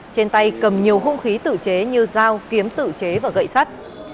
trên tay cầm nhiều hung khí tự chế như dao kiếm tự chế và gậy sắt